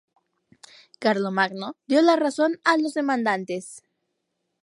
Carlomagno dio la razón a los demandantes.